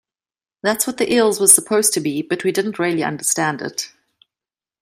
That's what the eels was supposed to be, but we didn't really understand it".